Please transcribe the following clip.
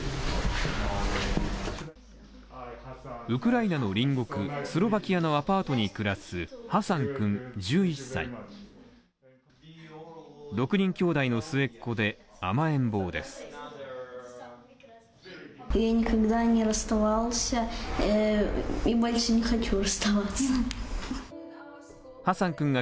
ウクライナの隣国スロバキアのアパートに暮らすハサン君。